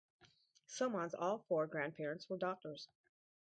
Soman's all four grandparents were doctors.